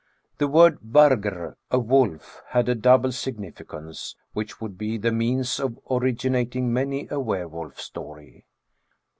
The word vargVy a wolf, had a doable significance, which would be the means of originating many a were wolf stoiy.